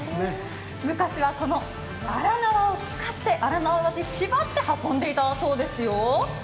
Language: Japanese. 昔はこの荒縄を使って縛って運んでいたそうなんですよ。